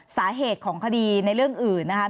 สาเหตุของคดีในเรื่องอื่นนะคะ